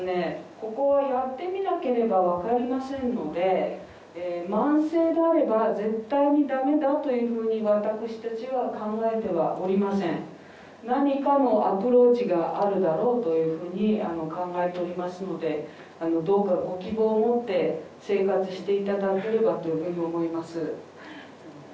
ここはやってみなければ分かりませんので慢性であれば絶対にダメだというふうに私たちは考えてはおりません何かのアプローチがあるだろうというふうに考えておりますのでどうかご希望を持って生活していただければというふうに思います